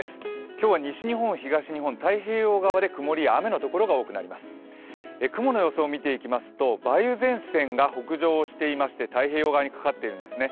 今日は西日本、東日本、太平洋側で雲の所が多く雲の様子を見ていきますと梅雨前線が北上していまして太平洋側にかかっているんですね。